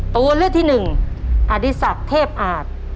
ตัวเลือกที่หนึ่งอดีศักดิ์เทพอาจ